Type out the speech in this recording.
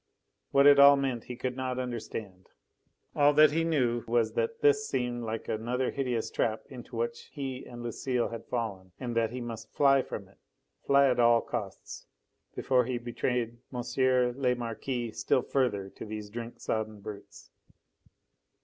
What it all meant he could not understand; all that he knew was that this seemed like another hideous trap into which he and Lucile had fallen, and that he must fly from it fly at all costs, before he betrayed M. le Marquis still further to these drink sodden brutes.